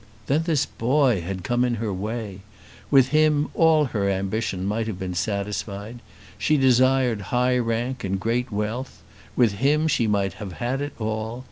Then this boy had come in her way! With him all her ambition might have been satisfied. She desired high rank and great wealth. With him she might have had it all.